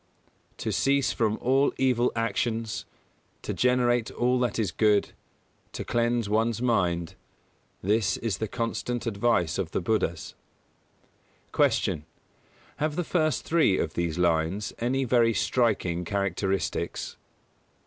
_ "To cease from all evil actions, To generate all that is good, To cleanse one's mind: This is the constant advice of the Buddhas." 147. Q. _Have the first three of these lines any very striking characteristics?